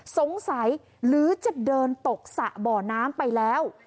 สงสัยหรือจะเดินตกสระบ่อน้ำไปแล้ว